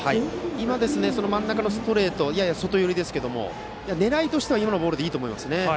今の真ん中のストレートやや外寄りでしたけれども狙いとしては、今のボールでいいと思います。